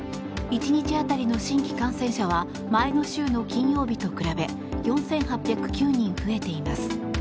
１日当たりの新規感染者は前の週の金曜日と比べ４８０９人増えています。